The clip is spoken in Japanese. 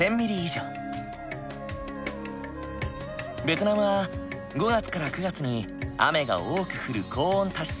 ベトナムは５月から９月に雨が多く降る高温多湿な地域。